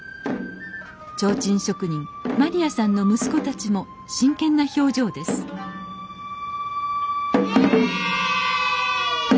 提灯職人まりやさんの息子たちも真剣な表情ですえいや！